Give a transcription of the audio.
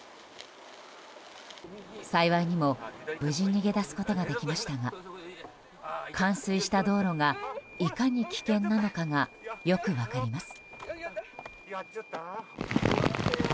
幸いにも、無事逃げ出すことができましたが冠水した道路がいかに危険なのかがよく分かります。